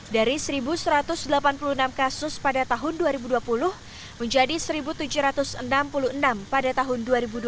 dari satu satu ratus delapan puluh enam kasus pada tahun dua ribu dua puluh menjadi satu tujuh ratus enam puluh enam pada tahun dua ribu dua puluh